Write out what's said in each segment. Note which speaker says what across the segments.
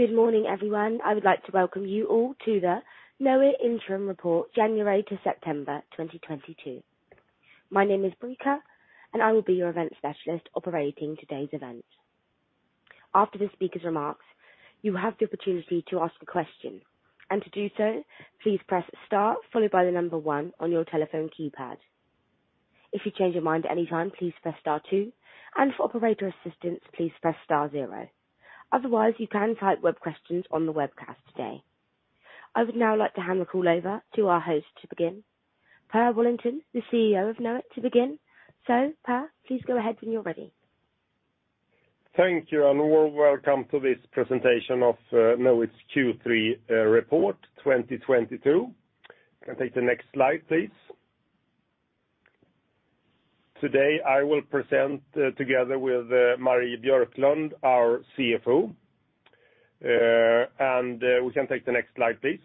Speaker 1: Good morning, everyone. I would like to welcome you all to the Knowit Interim Report, January to September 2022. My name is Brica, and I will be your Event Specialist operating today's event. After the speaker's remarks, you have the opportunity to ask a question. To do so, please press star followed by the number one on your telephone keypad. If you change your mind at any time, please press star two. For operator assistance, please press star zero. Otherwise, you can type web questions on the webcast today. I would now like to hand the call over to our host to begin. Per Wallentin, the CEO of Knowit, to begin. Per, please go ahead when you're ready.
Speaker 2: Thank you, and welcome to this presentation of Knowit's Q3 report, 2022. You can take the next slide, please. Today, I will present together with Marie Björklund, our CFO. We can take the next slide, please.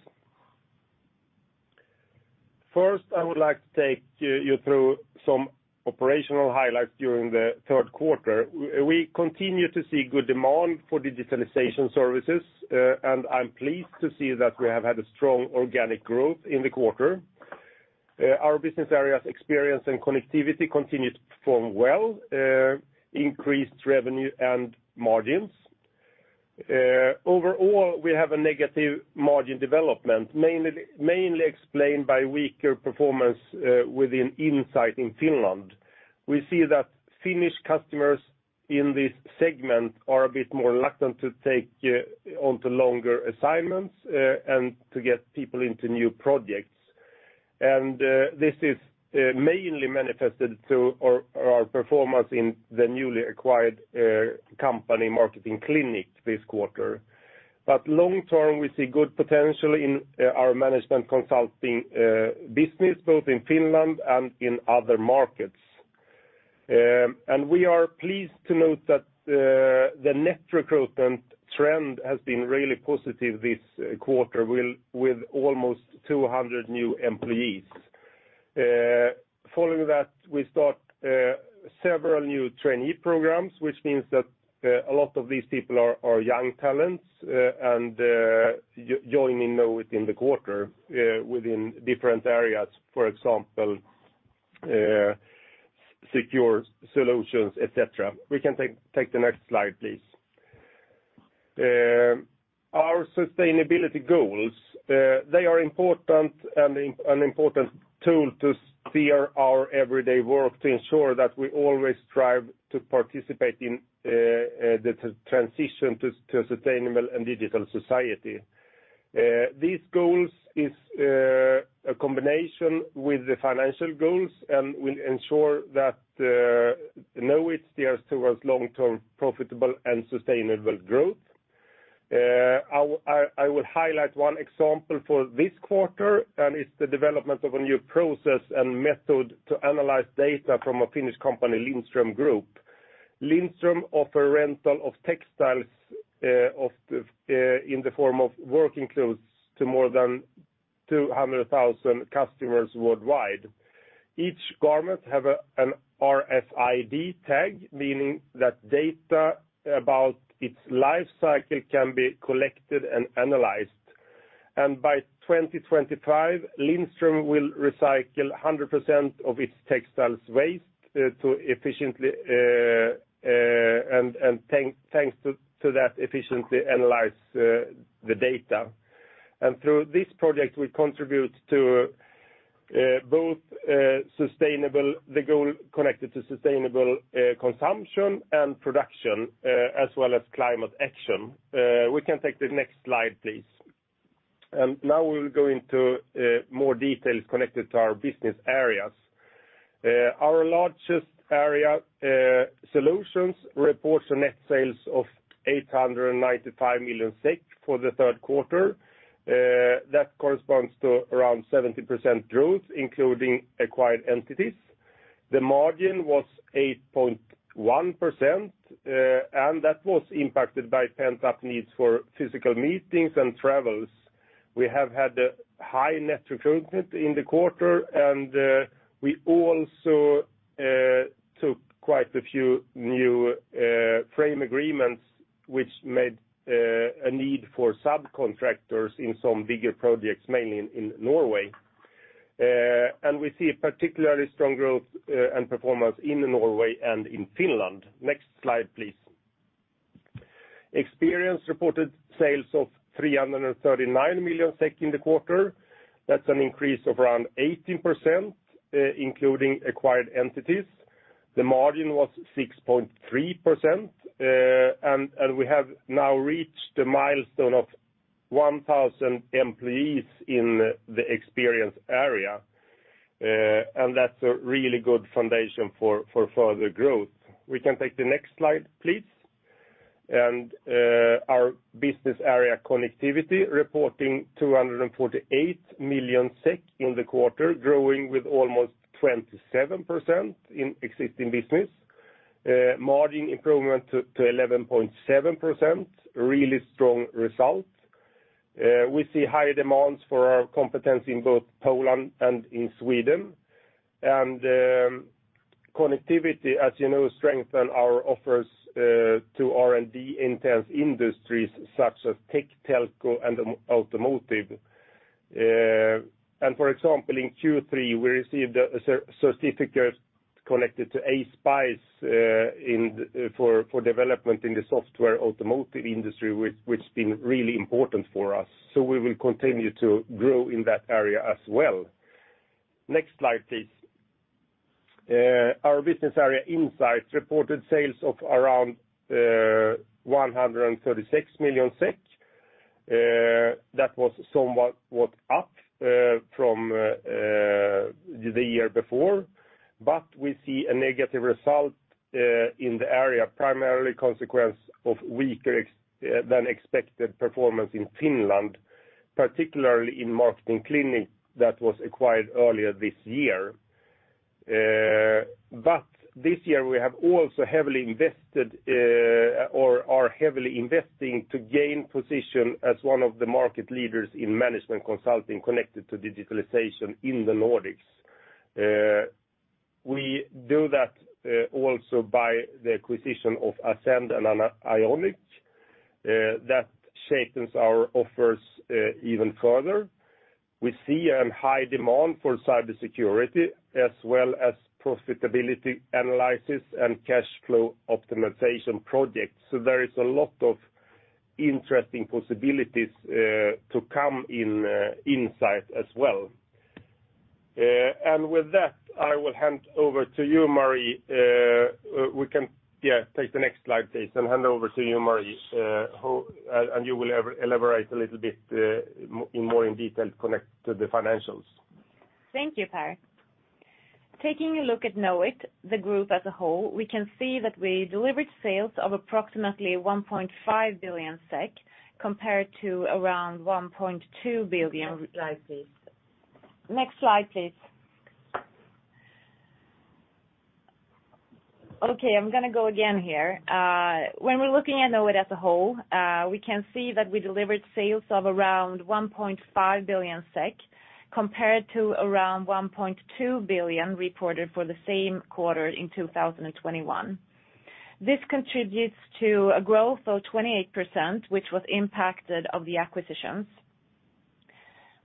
Speaker 2: First, I would like to take you through some operational highlights during the third quarter. We continue to see good demand for digitalization services, and I'm pleased to see that we have had a strong organic growth in the quarter. Our business areas Experience and Connectivity continue to perform well, increased revenue and margins. Overall, we have a negative margin development, mainly explained by weaker performance within Insight in Finland. We see that Finnish customers in this segment are a bit more reluctant to take on longer assignments, and to get people into new projects. This is mainly manifested through our performance in the newly acquired company Marketing Clinic this quarter. We see good potential in our management consulting business both in Finland and in other markets. We are pleased to note that the net recruitment trend has been really positive this quarter with almost 200 new employees. Following that, we start several new trainee programs, which means that a lot of these people are young talents and joining Knowit in the quarter within different areas. For example, secure solutions etc. We can take the next slide, please. Our sustainability goals, they are important an important tool to steer our everyday work to ensure that we always strive to participate in the transition to a sustainable and digital society. These goals is a combination with the financial goals and will ensure that Knowit steers towards long-term profitable and sustainable growth. I will highlight one example for this quarter and it's the development of a new process and method to analyze data from a Finnish company, Lindström Group. Lindström offer rental of textiles in the form of working clothes to more than 200,000 customers worldwide. Each garment have an RFID tag meaning that data about its life cycle can be collected and analyzed. By 2025, Lindström will recycle 100% of its textile waste to efficiently analyze the data thanks to that efficiency. Through this project, we contribute to both the goal connected to sustainable consumption and production as well as climate action. We can take the next slide please. Now we will go into more details connected to our business areas. Our largest area, Solutions, reports net sales of 895 million for the third quarter. That corresponds to around 70% growth including acquired entities. The margin was 8.1%, and that was impacted by pent-up needs for physical meetings and travels. We have had a high net recruitment in the quarter and we also took quite a few new frame agreements, which made a need for subcontractors in some bigger projects mainly in Norway. We see a particularly strong growth and performance in Norway and in Finland. Next slide, please. Experience reported sales of 339 million SEK in the quarter. That's an increase of around 18%, including acquired entities. The margin was 6.3%, and we have now reached the milestone of 1,000 employees in the Experience area, and that's a really good foundation for further growth. We can take the next slide, please. Our business area Connectivity reporting 248 million SEK in the quarter growing with almost 27% in existing business. Margin improvement to 11.7%, really strong result. We see high demands for our competence in both Poland and in Sweden. Connectivity, as you know, strengthen our offers to R&D intense industries such as tech, telco, and automotive. For example, in Q3, we received a certificate connected to ASPICE for development in the software automotive industry, which has been really important for us. We will continue to grow in that area as well. Next slide, please. Our business area Insight reported sales of around 136 million SEK. That was somewhat up from the year before. We see a negative result in the area primarily a consequence of weaker worse-than-expected performance in Finland, particularly in Marketing Clinic that was acquired earlier this year. This year, we have also heavily invested or are heavily investing to gain position as one of the market leaders in management consulting connected to digitalization in the Nordics. We do that also by the acquisition of Ascend and Ionic that strengthens our offers even further. We see a high demand for cybersecurity as well as profitability analysis and cash flow optimization projects. There is a lot of interesting possibilities to come in Insight as well. With that, I will hand over to you Marie. We can take the next slide please, and hand over to you Marie, and you will elaborate a little bit more in detail connected to the financials.
Speaker 3: Thank you, Per. Taking a look at Knowit, the group as a whole, we can see that we delivered sales of approximately 1.5 billion SEK compared to around 1.2 billion. Next slide, please. Oka y, I'm gonna go again here. When we're looking at Knowit as a whole, we can see that we delivered sales of around 1.5 billion SEK compared to around 1.2 billion reported for the same quarter in 2021. This contributes to a growth of 28%, which was impacted by the acquisitions.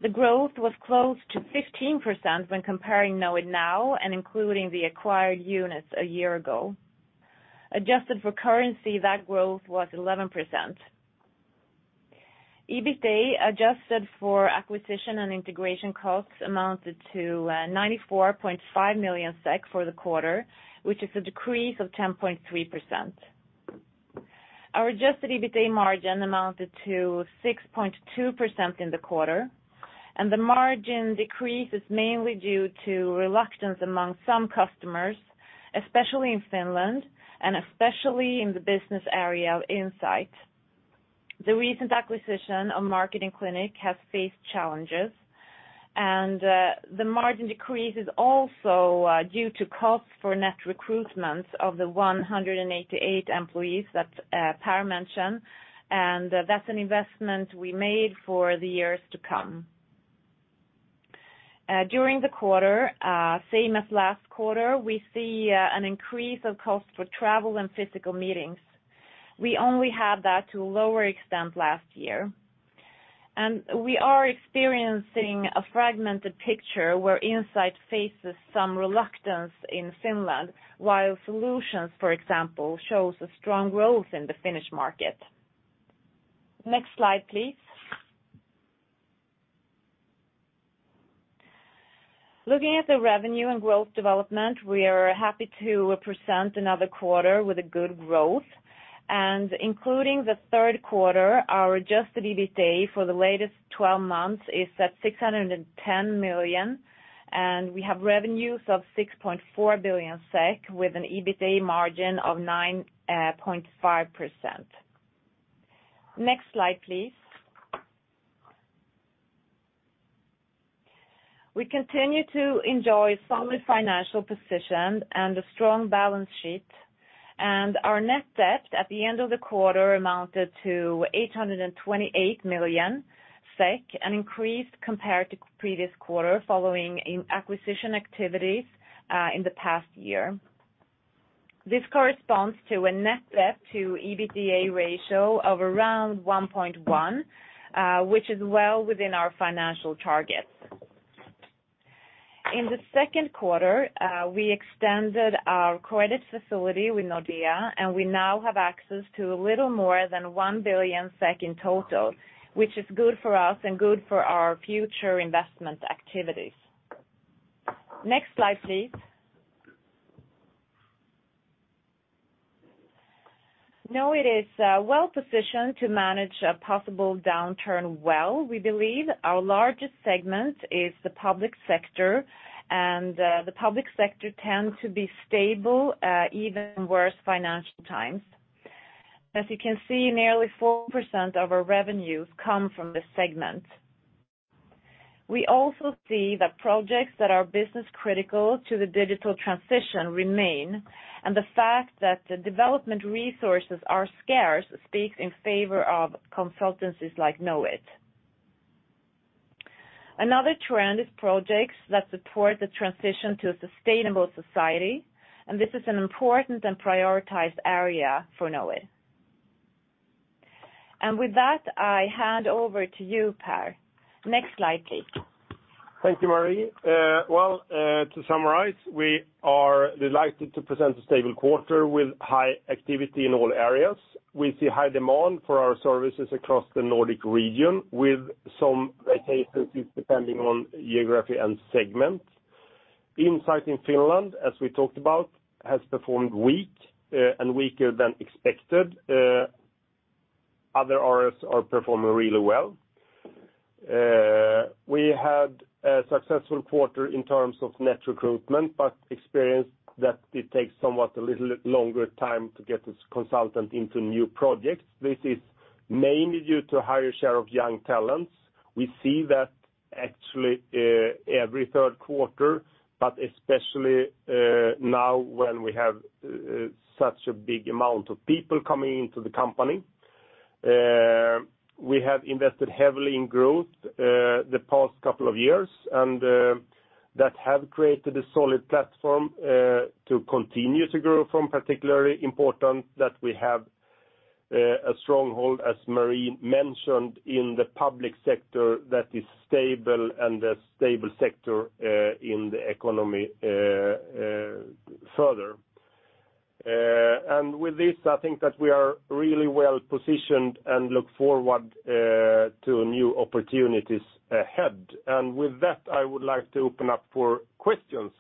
Speaker 3: The growth was close to 15% when comparing Knowit now and including the acquired units a year ago. Adjusted for currency, that growth was 11%. EBITA, adjusted for acquisition and integration costs, amounted to 94.5 million SEK for the quarter, which is a decrease of 10.3%. Our adjusted EBITA margin amounted to 6.2% in the quarter and the margin decrease is mainly due to reluctance among some customers. Especially in Finland, and especially in the business area of Insight. The recent acquisition of Marketing Clinic has faced challenges, and the margin decrease is also due to cost for net recruitment of the 188 employees that Per mentioned, and that's an investment we made for the years to come. During the quarter, same as last quarter, we see an increase of cost for travel and physical meetings. We only had that to a lower extent last year. We are experiencing a fragmented picture where Insight faces some reluctance in Finland, while Solutions. For example, shows a strong growth in the Finnish market. Next slide please. Looking at the revenue and growth development, we are happy to present another quarter with a good growth. Including the third quarter, our adjusted EBITA for the latest twelve months is at 610 million, and we have revenues of 6.4 billion SEK with an EBITA margin of 9.5%. Next slide please. We continue to enjoy solid financial position and a strong balance sheet, and our net debt at the end of the quarter amounted to 828 million SEK an increase compared to previous quarter following acquisition activities in the past year. This corresponds to a net debt to EBITDA ratio of around 1.1, which is well within our financial targets. In the second quarter, we extended our credit facility with Nordea, and we now have access to a little more than 1 billion SEK in total, which is good for us and good for our future investment activities. Next slide, please. Knowit is well-positioned to manage a possible downturn well, we believe. Our largest segment is the public sector, and the public sector tends to be stable even in worse financial times. As you can see, nearly 4% of our revenues come from this segment. We also see that projects that are business critical to the digital transition remain, and the fact that the development resources are scarce speaks in favor of consultancies like Knowit. Another trend is projects that support the transition to a sustainable society, and this is an important and prioritized area for Knowit. With that, I hand over to you, Per. Next slide, please.
Speaker 2: Thank you, Marie. Well, to summarize, we are delighted to present a stable quarter with high activity in all areas. We see high demand for our services across the Nordic region with some variations depending on geography and segment. Insight in Finland, as we talked about, has performed weak, and weaker than expected. Other areas are performing really well. We had a successful quarter in terms of net recruitment, but experienced that it takes somewhat a little longer time to get this consultant into new projects. This is mainly due to higher share of young talents. We see that actually every third quarter, but especially now when we have such a big amount of people coming into the company. We have invested heavily in growth, the past couple of years, and that have created a solid platform to continue to grow from. Particularly important that we have a stronghold, as Marie mentioned, in the public sector that is stable and a stable sector in the economy further. With this, I think that we are really well-positioned and look forward to new opportunities ahead. With that, I would like to open up for questions.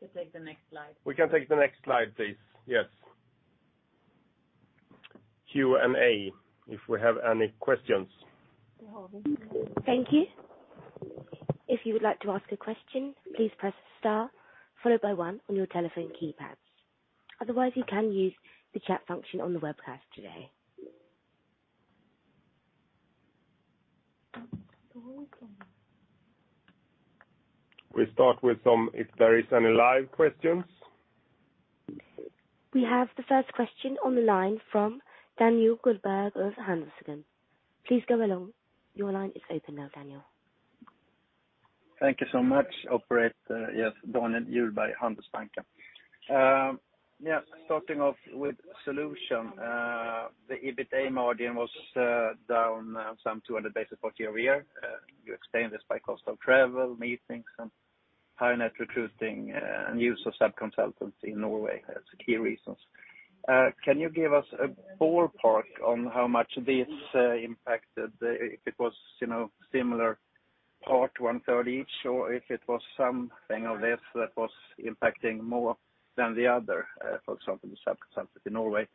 Speaker 3: We take the next slide.
Speaker 2: We can take the next slide, please. Yes. Q&A, if we have any questions.
Speaker 3: We have them.
Speaker 1: Thank you. If you would like to ask a question, please press star followed by one on your telephone keypads. Otherwise, you can use the chat function on the webcast today.
Speaker 2: We start with if there is any live questions.
Speaker 1: We have the first question on the line from Daniel Gullberg of Handelsbanken. Please go ahead. Your line is open now, Daniel.
Speaker 4: Thank you so much, operator. Yes, Daniel Gullberg, Handelsbanken. Starting off with Solutions, the EBITA margin was down some 200 basis points year-over-year. You explained this by cost of travel, meetings and high net recruiting, and use of sub consultancy in Norway as key reasons. Can you give us a ballpark on how much this impacted? If it was, you know, similar part, one-third each, or if it was something like this that was impacting more than the other, for example, the sub consultancy in Norway.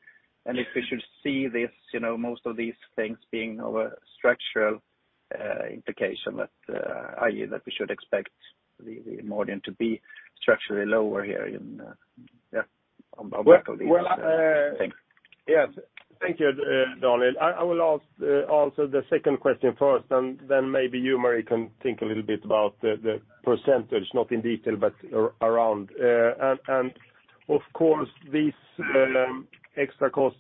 Speaker 4: If we should see this, you know, most of these things being of a structural implication that i.e., that we should expect the margin to be structurally lower here in, on the back of these. Thanks.
Speaker 2: Well, yes. Thank you, Daniel. I will answer the second question first and then maybe you Marie, can think a little bit about the percentage not in detail but around. And of course, these extra costs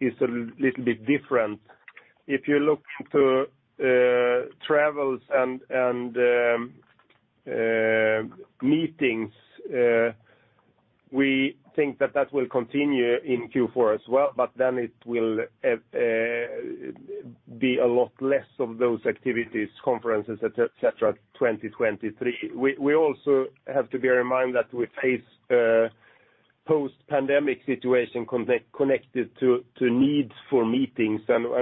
Speaker 2: is a little bit different. If you look to travel and meetings. We think that will continue in Q4 as well, but then it will be a lot less of those activities, conferences, et cetera, 2023. We also have to bear in mind that we face post-pandemic situation connected to needs for meetings.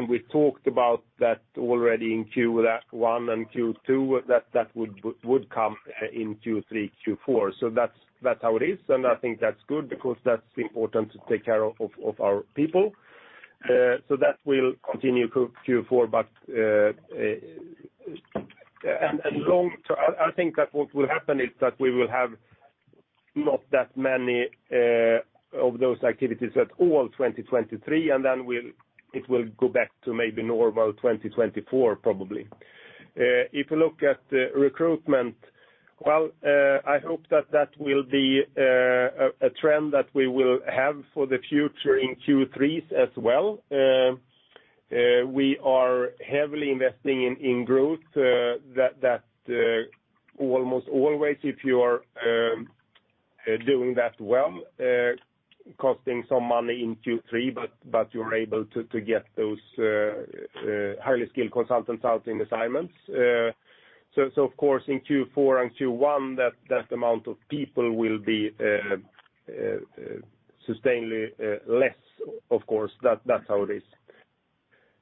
Speaker 2: We talked about that already in Q1 and Q2, that would come in Q3, Q4. That's how it is. I think that's good because that's important to take care of our people. That will continue through Q4, but I think that what will happen is that we will have not that many of those activities at all in 2023, and then it will go back to maybe normal in 2024, probably. If you look at the recruitment, I hope that will be a trend that we will have for the future in Q3 as well. We are heavily investing in growth that almost always if you are doing that well costing some money in Q3, but you're able to get those highly skilled consultants out in assignments. Of course, in Q4 and Q1, that amount of people will be sustainably less, of course. That's how it is.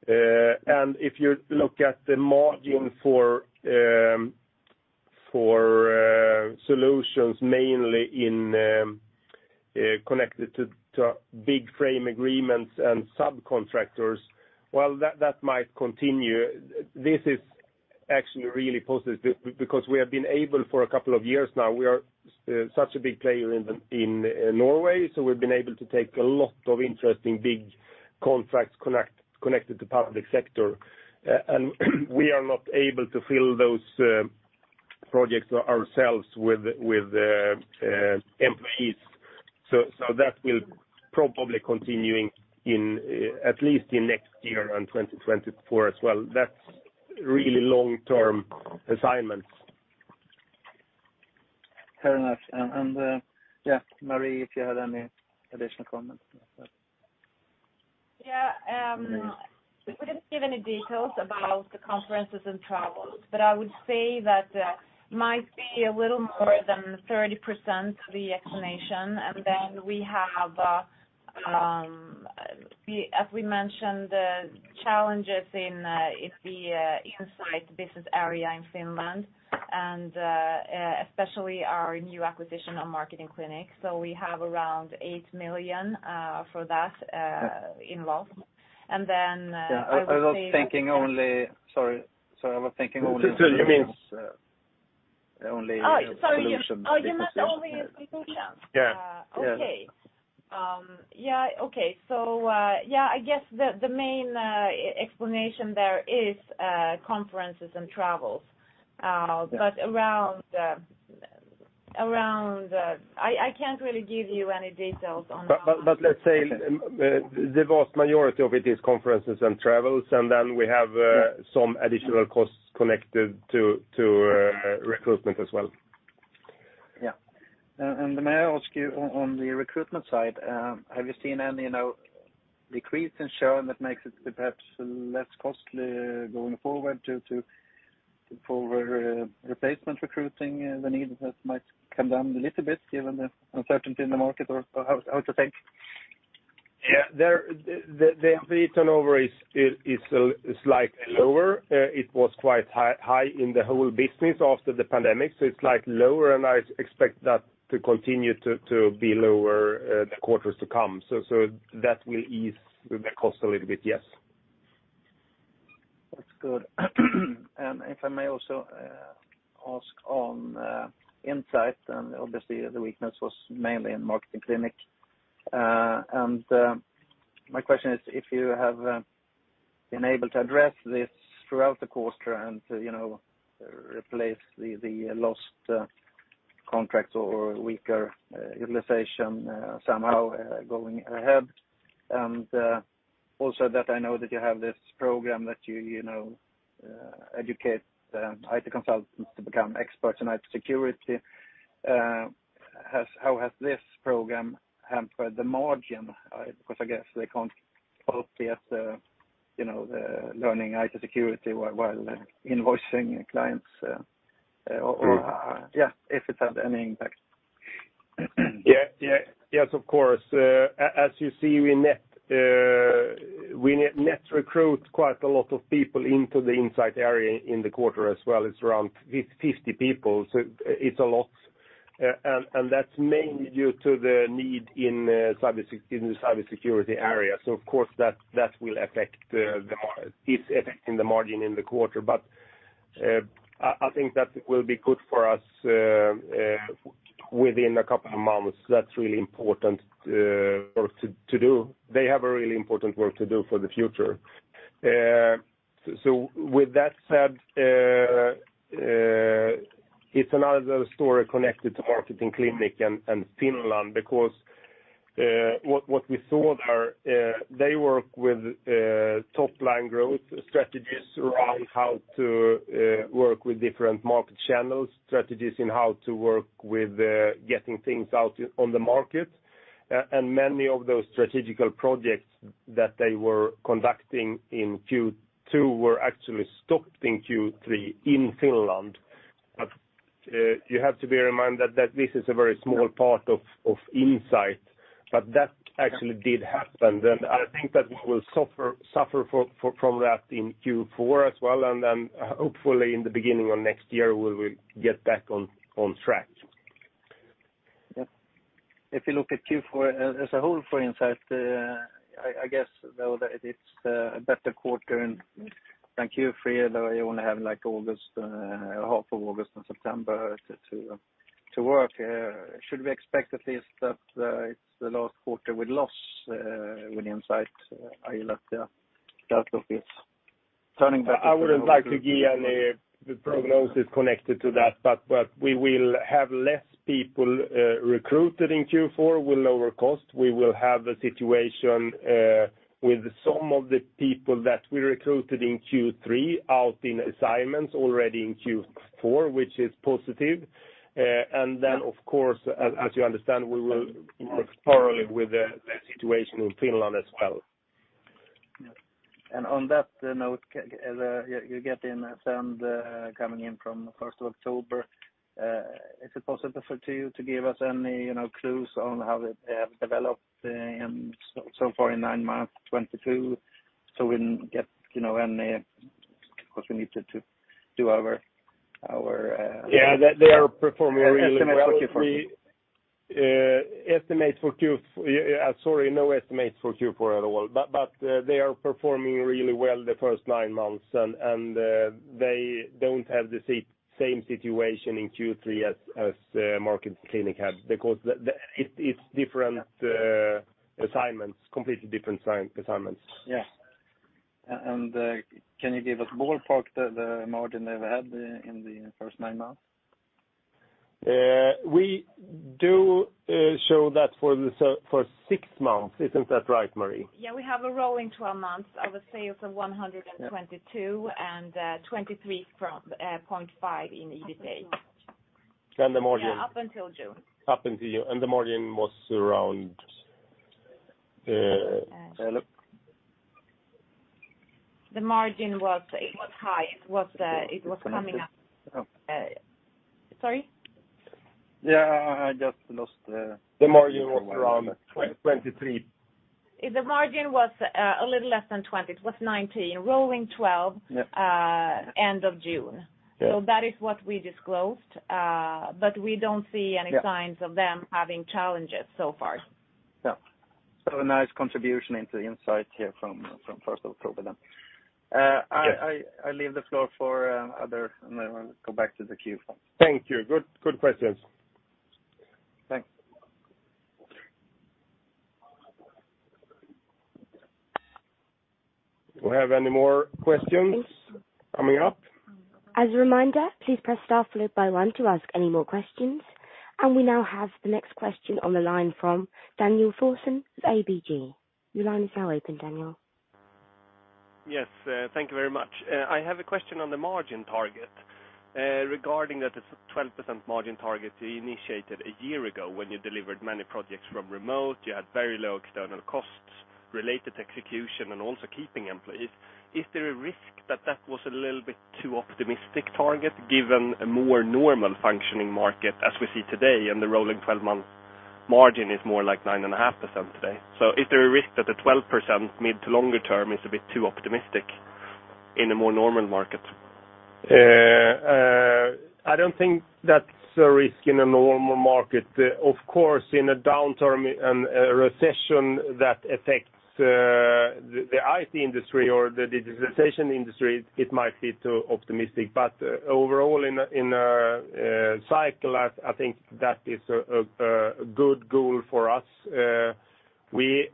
Speaker 2: If you look at the margin for Solutions mainly connected to big frame agreements and subcontractors, well, that might continue. This is actually really positive because we have been able for a couple of years now, we are such a big player in Norway. So we've been able to take a lot of interesting big contracts connected to public sector. We are not able to fill those projects ourselves with employees. That will probably continuing in at least next year and 2024 as well. That's really long-term assignments.
Speaker 4: Fair enough. Yeah, Marie, if you had any additional comments on that.
Speaker 3: Yeah. We couldn't give any details about the conferences and travels, but I would say that might be a little more than 30% the explanation. As we mentioned, the challenges in the Insight business area in Finland, and especially our new acquisition on Marketing Clinic. We have around 8 million for that involved. I would say that-
Speaker 4: Sorry, I was thinking only.
Speaker 2: It's okay. You mean
Speaker 4: Only Solutions.
Speaker 3: Oh, sorry. Oh, you meant only in Finland?
Speaker 4: Yeah.
Speaker 3: Okay. Yeah, okay. Yeah, I guess the main explanation there is conferences and travels. Around, I can't really give you any details on how.
Speaker 2: Let's say the vast majority of it is conferences and travels, and then we have some additional costs connected to recruitment as well.
Speaker 4: Yeah. May I ask you on the recruitment side have you seen any, you know, decrease in churn that makes it perhaps less costly going forward due to, for replacement recruiting, the need that might come down a little bit given the uncertainty in the market or how to think?
Speaker 2: Yeah. The employee turnover is slightly lower. It was quite high in the whole business after the pandemic. So, it's slightly lower, and I expect that to continue to be lower the quarters to come. That will ease the cost a little bit, yes.
Speaker 4: That's good. If I may also ask on Insight, and obviously the weakness was mainly in Marketing Clinic. My question is if you have been able to address this throughout the quarter and, you know, replace the lost contracts or weaker utilization somehow going ahead. Also, I know that you have this program that you know educate IT consultants to become experts in IT security. How has this program hampered the margin? Because I guess they can't both be at the, you know, the learning IT security while invoicing clients, or yeah, if it had any impact.
Speaker 2: Yeah, yeah. Yes, of course. As you see, we net recruit quite a lot of people into the Insight area in the quarter as well. It's around 50 people, so it's a lot. That's mainly due to the need in the cybersecurity area. Of course, that is affecting the margin in the quarter. I think that will be good for us within a couple of months. That's really important work to do. They have a really important work to do for the future. With that said, it's another story connected to Marketing Clinic and Finland, because what we saw there, they work with top-line growth strategies around how to work with different market channels, strategies in how to work with getting things out on the market. Many of those strategic projects that they were conducting in Q2 were actually stopped in Q3 in Finland. You have to bear in mind that this is a very small part of Insight, but that actually did happen. I think that we will suffer from that in Q4 as well. Hopefully in the beginning of next year, we will get back on track.
Speaker 4: Yeah. If you look at Q4 as a whole for Insight. I guess, though that it's a better quarter than Q3 although you only have, like August, half of August and September to work. Should we expect at least that it's the last quarter with loss with Insight? Are you that obvious? Turning back to.
Speaker 2: I wouldn't like to give any prognosis connected to that, but we will have less people recruited in Q4 with lower cost. We will have a situation with some of the people that we recruited in Q3 out in assignments already in Q4, which is positive. Of course, as you understand, we will work thoroughly with the situation in Finland as well.
Speaker 4: Yeah. On that note, you get Ascend coming in from first of October. Is it possible for you to give us any, you know, clues on how they have developed so far in nine months 2022, so we can get, you know, any. Because we need to do our
Speaker 2: Yeah. They are performing really well. No estimates for Q4 at all. They are performing really well the first nine months and they don't have the same situation in Q3 as Marketing Clinic had. It's different assignments completely different assignments.
Speaker 4: Yes. Can you give us ballpark the margin they've had in the first nine months?
Speaker 2: We do show that for six months. Isn't that right, Marie?
Speaker 3: Yeah, we have a rolling twelve months of sales of 122 and 23.5 in EBITDA.
Speaker 2: The margin.
Speaker 3: Yeah, up until June.
Speaker 2: Up until June. The margin was around, look.
Speaker 3: The margin was high. It was coming up. Sorry?
Speaker 2: Yeah, the margin was around 23%.
Speaker 3: The margin was a little less than 20%, it was 19%. Rolling twelve-
Speaker 2: Yeah.
Speaker 3: End of June.
Speaker 2: Yeah.
Speaker 3: That is what we disclosed. We don't see any signs of them having challenges so far.
Speaker 4: A nice contribution into the Insight here from First North. I leave the floor for others, and then we'll go back to the queue.
Speaker 2: Thank you. Good questions.
Speaker 4: Thanks.
Speaker 2: Do we have any more questions coming up?
Speaker 1: As a reminder, please press star followed by one to ask any more questions. We now have the next question on the line from Daniel Thorson with ABG. Your line is now open, Daniel.
Speaker 5: Yes, thank you very much. I have a question on the margin target, regarding that the 12% margin target you initiated a year ago when you delivered many projects from remote. You had very low external costs related to execution and also keeping employees. Is there a risk that that was a little bit too optimistic target given a more normal functioning market as we see today and the rolling 12-month margin is more like 9.5% today? Is there a risk that the 12% mid- to longer-term is a bit too optimistic in a more normal market?
Speaker 2: I don't think that's a risk in a normal market. Of course, in a downturn and a recession that affects the IT industry or the digitization industry, it might be too optimistic. Overall in a cycle, I think that is a good goal for us. We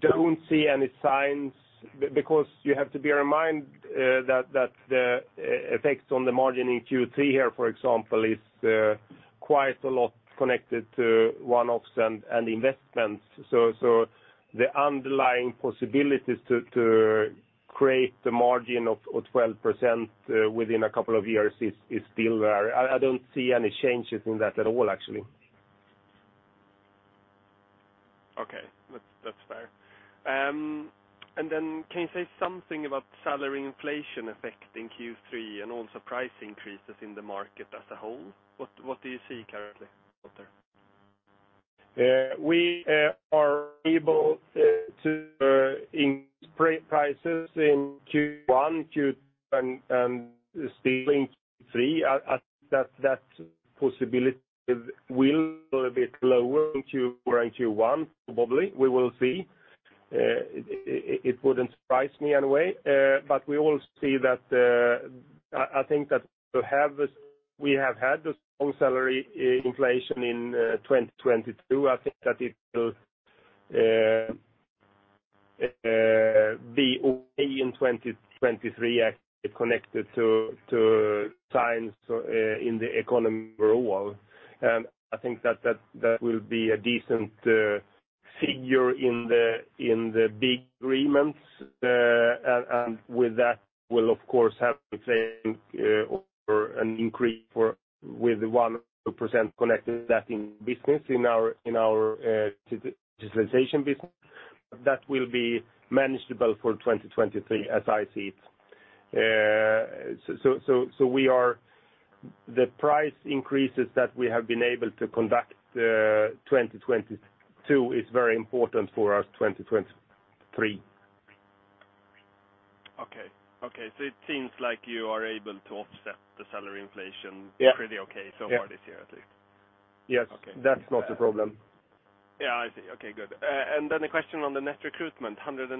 Speaker 2: don't see any signs because you have to bear in mind that the effects on the margin in Q3 here. For example, is quite a lot connected to one-offs and investments. The underlying possibilities to create the margin of 12% within a couple of years is still there. I don't see any changes in that at all, actually.
Speaker 5: Okay. That's fair. Can you say something about salary inflation affecting Q3 and also price increases in the market as a whole? What do you see currently out there?
Speaker 2: We are able to increase prices in Q1, Q2 and still in Q3. That possibility will be a little bit lower in Q4 and Q1, probably. We will see. It wouldn't surprise me in a way, but we will see that. I think that to have this, we have had a strong salary inflation in 2022. I think that it will be only in 2023 connected to times in the economy overall. I think that will be a decent figure in the big agreements. With that will of course have the same, or an increase of 1% connected to that in business in our digitization business. That will be manageable for 2023 as I see it. The price increases that we have been able to conduct in 2022 is very important for us in 2023.
Speaker 5: Okay. It seems like you are able to offset the salary inflation.
Speaker 2: Yeah.
Speaker 5: Pretty okay so far this year, at least.
Speaker 2: Yeah.
Speaker 5: Okay.
Speaker 2: That's not a problem.
Speaker 5: Yeah, I see. Okay, good. A question on the net recruitment. 188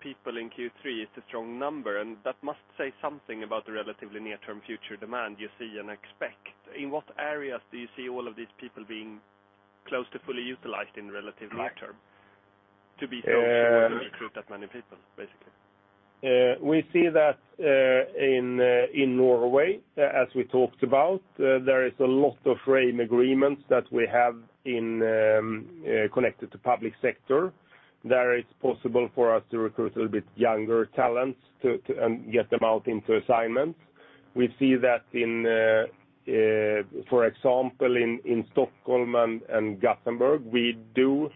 Speaker 5: people in Q3 is a strong number, and that must say something about the relatively near-term future demand you see and expect. In what areas do you see all of these people being close to fully utilized in the relatively near term? To be so, to recruit that many people basically.
Speaker 2: We see that in Norway, as we talked about, there is a lot of framework agreements that we have connected to public sector. There, it's possible for us to recruit a little bit younger talents to get them out into assignments. We see that, for example, in Stockholm and Gothenburg, we do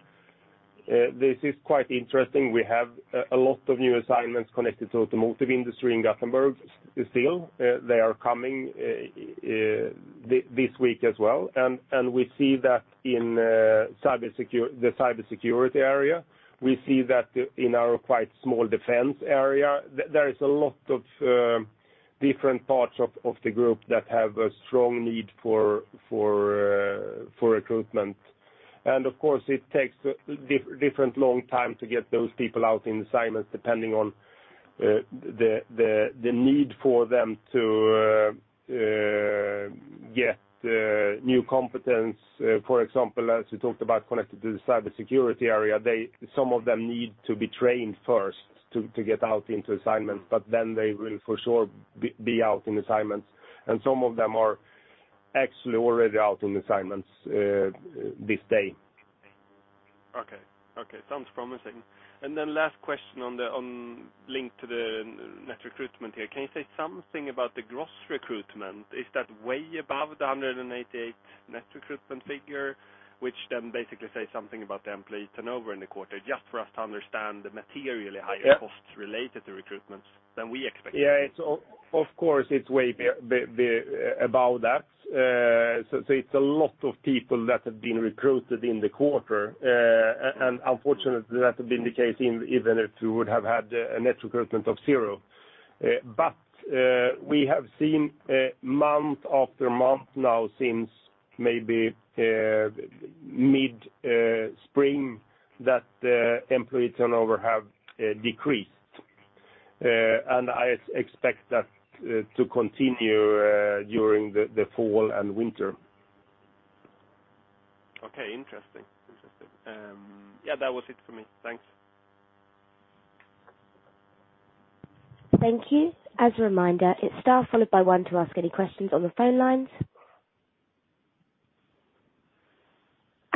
Speaker 2: this is quite interesting. We have a lot of new assignments connected to automotive industry in Gothenburg still. They are coming this week as well. We see that in the cybersecurity area. We see that in our quite small defense area, there is a lot of different parts of the group that have a strong need for recruitment. Of course it takes different long time to get those people out in assignments depending on the need for them to get new competence. For example, as we talked about connected to the cybersecurity area, some of them need to be trained first to get out into assignments, but then they will for sure be out in assignments. Some of them are actually already out in assignments today.
Speaker 5: Okay. Okay, sounds promising. Then last question on link to the net recruitment here. Can you say something about the gross recruitment? Is that way above the 188 net recruitment figure. Which then basically say something about the employee turnover in the quarter just for us to understand the materially higher-
Speaker 2: Yeah.
Speaker 5: costs related to recruitments than we expected.
Speaker 2: Of course, it's way above that. It's a lot of people that have been recruited in the quarter. Unfortunately, that would be the case even if we would have had a net recruitment of zero. We have seen month after month now since maybe mid spring that the employee turnover have decreased. I expect that to continue during the fall and winter.
Speaker 5: Okay. Interesting. Yeah, that was it for me. Thanks.
Speaker 1: Thank you. As a reminder, it's star followed by one to ask any questions on the phone lines.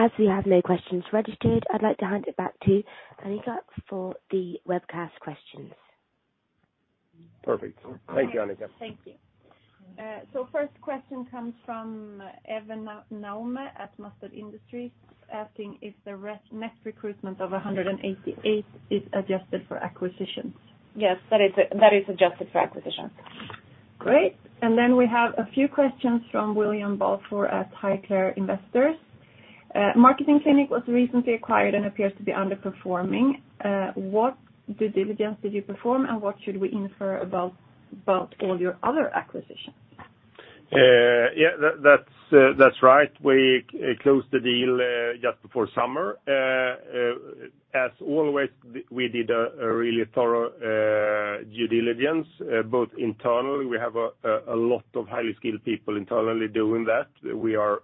Speaker 1: As we have no questions registered, I'd like to hand it back to Annika for the webcast questions.
Speaker 2: Perfect. Thank you, Annika.
Speaker 6: Thank you. First question comes from Evan Nyman at Master Industries asking if the net recruitment of 188 is adjusted for acquisitions.
Speaker 2: Yes. That is adjusted for acquisitions.
Speaker 6: Great. Then we have a few questions from William Balfour at Highclere International Investors. Marketing Clinic was recently acquired and appears to be underperforming. What due diligence did you perform, and what should we infer about all your other acquisitions?
Speaker 2: Yeah, that's right. We closed the deal just before summer. As always, we did a really thorough due diligence both internally. We have a lot of highly skilled people internally doing that. We are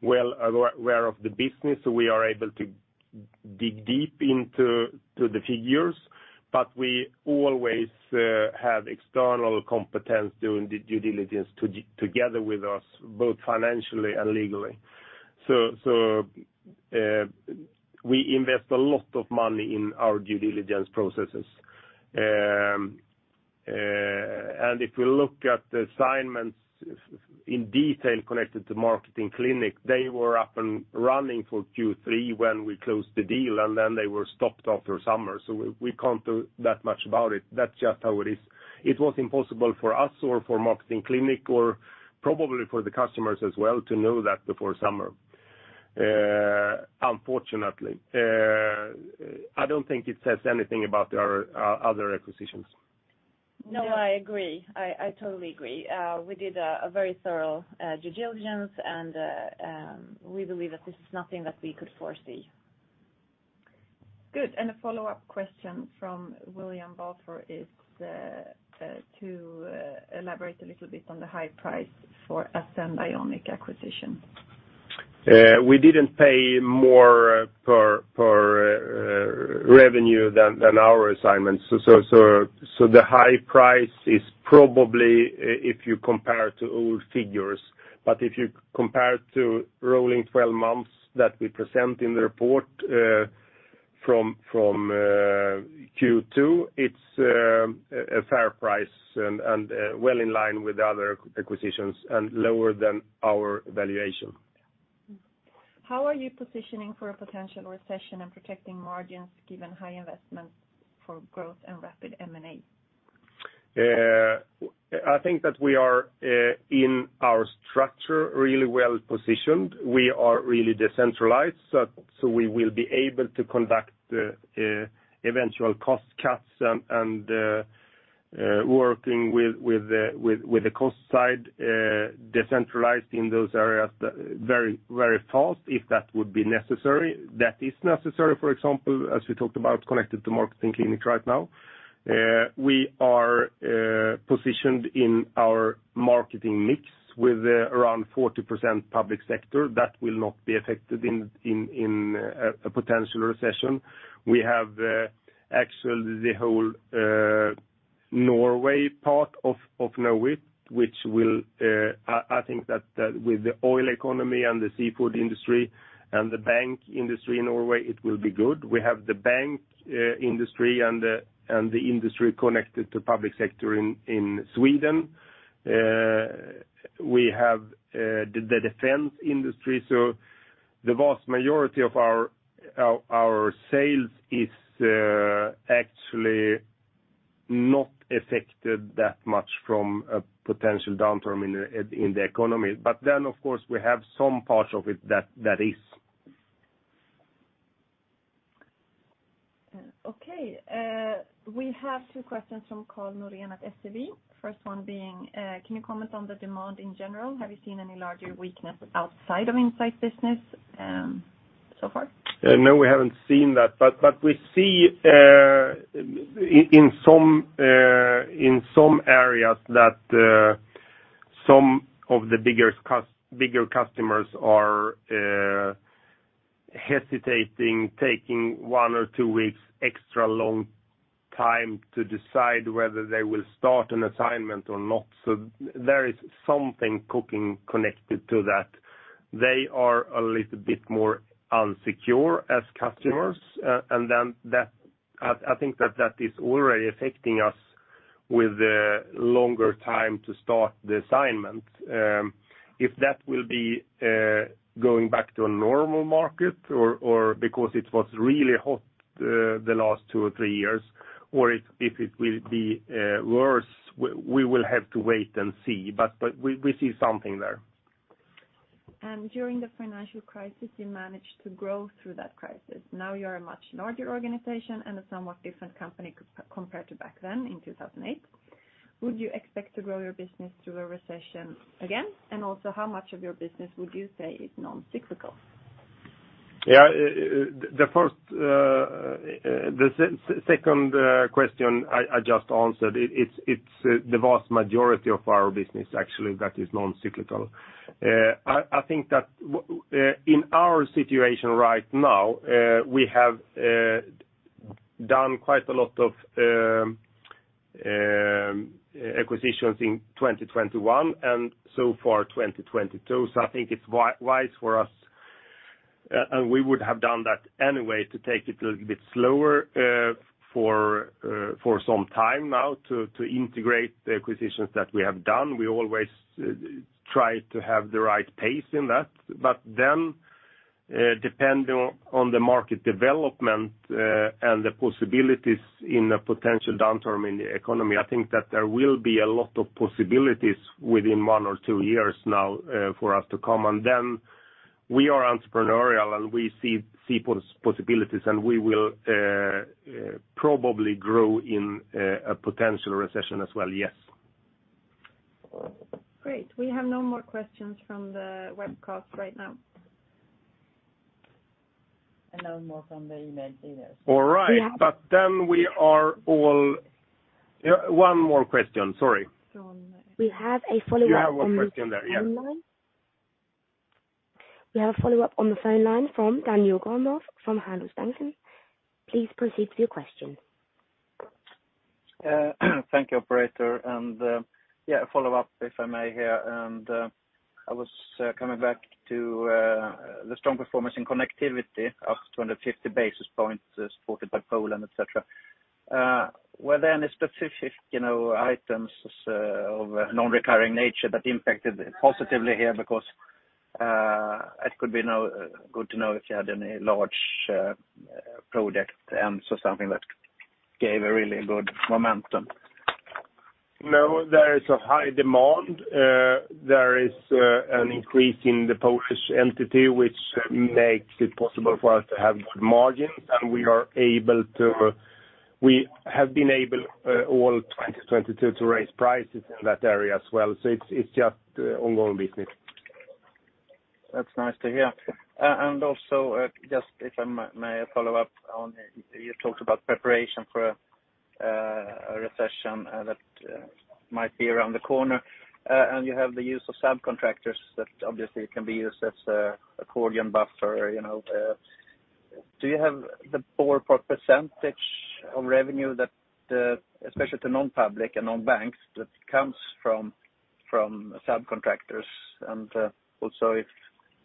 Speaker 2: well aware of the business. So, we are able to dig deep into the figures, but we always have external competence doing the due diligence together with us, both financially and legally. We invest a lot of money in our due diligence processes. If we look at the assignments in detail connected to Marketing Clinic, they were up and running for Q3 when we closed the deal, and then they were stopped after summer. We can't do that much about it. That's just how it is. It was impossible for us or for Marketing Clinic or probably for the customers as well to know that before summer. Unfortunately, I don't think it says anything about our other acquisitions.
Speaker 3: No, I agree. I totally agree. We did a very thorough due diligence, and we believe that this is nothing that we could foresee.
Speaker 6: Good. A follow-up question from William Balfour is to elaborate a little bit on the high price for Ascend and Ionic acquisition.
Speaker 2: We didn't pay more per revenue than our assignments. The high price is probably if you compare to old figures, but if you compare to rolling twelve months that we present in the report from Q2, it's a fair price and well in line with other acquisitions and lower than our valuation.
Speaker 6: How are you positioning for a potential recession and protecting margins given high investments for growth and rapid M&A?
Speaker 2: I think that we are in our structure really well-positioned. We are really decentralized, so we will be able to conduct the eventual cost cuts and working with the cost side decentralized in those areas very fast, if that would be necessary. That is necessary, for example, as we talked about connected to Marketing Clinic right now. We are positioned in our marketing mix with around 40% public sector. That will not be affected in a potential recession. We have actually the whole Norway part of Knowit, which will I think that with the oil economy and the seafood industry and the bank industry in Norway, it will be good. We have the banking industry and the industry connected to public sector in Sweden. We have the defense industry. The vast majority of our sales is actually not affected that much from a potential downturn in the economy. Of course, we have some parts of it that is.
Speaker 6: Okay. We have two questions from Karl Norén at SEB. First one being, can you comment on the demand in general? Have you seen any larger weakness outside of Insight business, so far?
Speaker 2: No, we haven't seen that. We see in some areas that some of the bigger customers are hesitating taking one or two weeks extra long time to decide whether they will start an assignment or not. There is something cooking connected to that. They are a little bit more insecure as customers. I think that is already affecting us with the longer time to start the assignment. If that will be going back to a normal market or because it was really hot the last two or three years, or if it will be worse, we will have to wait and see. We see something there.
Speaker 6: During the financial crisis, you managed to grow through that crisis. Now you're a much larger organization and a somewhat different company compared to back then in 2008. Would you expect to grow your business through a recession again? How much of your business would you say is non-cyclical?
Speaker 2: The second question I just answered. It's the vast majority of our business actually that is non-cyclical. I think that in our situation right now, we have done quite a lot of acquisitions in 2021 and so far 2022. I think it's wise for us, and we would have done that anyway, to take it a little bit slower, for some time now to integrate the acquisitions that we have done. We always try to have the right pace in that. Depending on the market development, and the possibilities in a potential downturn in the economy, I think that there will be a lot of possibilities within one or two years now for us to come. We are entrepreneurial and we see possibilities, and we will probably grow in a potential recession as well, yes.
Speaker 6: Great. We have no more questions from the webcast right now.
Speaker 1: No more from the email either.
Speaker 2: All right. One more question, sorry.
Speaker 1: We have a follow-up on the.
Speaker 2: You have one question there, yes.
Speaker 1: We have a follow-up on the phone line from Daniel Gormoff from Handelsbanken. Please proceed with your question.
Speaker 7: Thank you, operator. Yeah, a follow-up, if I may here. I was coming back to the strong performance in Connectivity of 250 basis points supported by Poland, et cetera. Were there any specific, you know, items of non-recurring nature that impacted positively here? Because it could be now good to know if you had any large project and so something that gave a really good momentum.
Speaker 2: No, there is a high demand. There is an increase in the Polish entity which makes it possible for us to have good margins, and we have been able all 2022 to raise prices in that area as well. It's just ongoing business.
Speaker 7: That's nice to hear. And also, just if I may follow up on, you talked about preparation for a recession that might be around the corner. And you have the use of subcontractors that obviously can be used as a accordion buffer, you know. Do you have what percentage of revenue that, especially to non-public and non-banks, that comes from subcontractors? And also if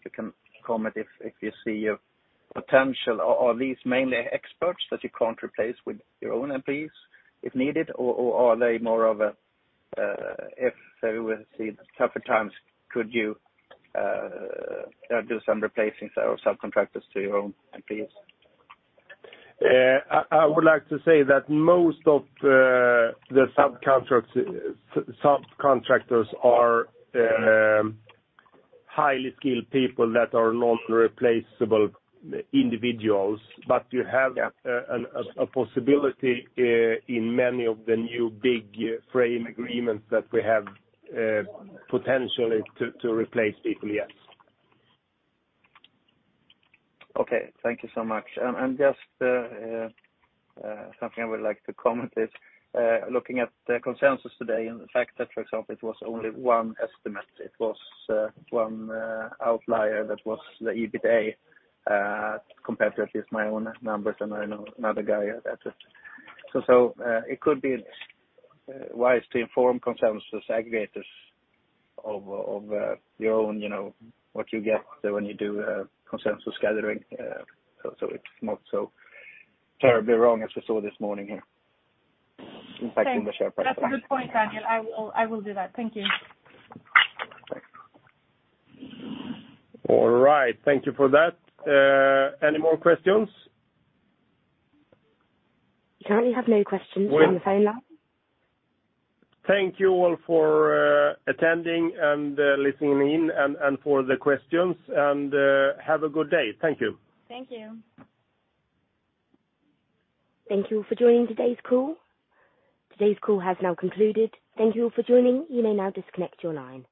Speaker 7: you can comment, if you see a potential. Are these mainly experts that you can't replace with your own employees if needed or are they more of. If we will see tougher times, could you do some replacing subcontractors to your own employees?
Speaker 2: I would like to say that most of the subcontractors are highly skilled people that are non-replaceable individuals. But you have-
Speaker 7: Yeah. A possibility in many of the new big frame agreements that we have potentially to replace people, yes. Okay, thank you so much. Just something I would like to comment is looking at the consensus today and the fact that, for example, it was only one estimate. It was one outlier that was the EBITDA compared to at least my own numbers, and I know another guy that. It could be wise to inform consensus aggregators of your own, you know, what you get when you do a consensus gathering, so it's not so terribly wrong as we saw this morning here impacting the share price.
Speaker 6: That's a good point, Daniel. I will do that. Thank you.
Speaker 2: All right. Thank you for that. Any more questions?
Speaker 1: Currently have no questions on the phone now.
Speaker 2: Thank you all for attending and listening in and for the questions. Have a good day. Thank you.
Speaker 6: Thank you.
Speaker 1: Thank you for joining today's call. Today's call has now concluded. Thank you all for joining. You may now disconnect your line.